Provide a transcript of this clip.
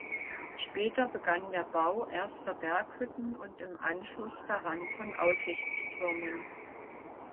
Später begann der Bau erster Berghütten und im Anschluss daran von Aussichtstürmen.